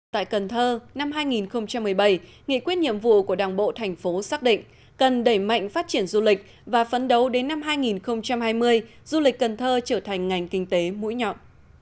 tại cần thơ năm hai nghìn một mươi bảy nghị quyết nhiệm vụ của đảng bộ thành phố xác định cần đẩy mạnh phát triển du lịch và phấn đấu đến năm hai nghìn hai mươi du lịch cần thơ trở thành ngành kinh tế mũi nhọn